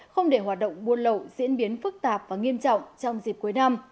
không để hoạt động buôn lậu diễn biến phức tạp và nghiêm trọng trong dịp cuối năm